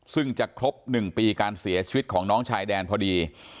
ซึ่งจะครบ๑ปีการเสียชีวิตของน้องชายแดนพอดี